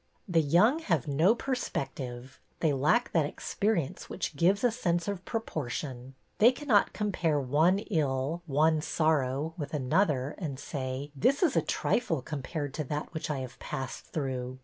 The young have no perspective; they lack that experience which gives a sense of proportion. They cannot compare one ill, one sorrow, with another and say, " This is a trifle compared with that which I have passed through."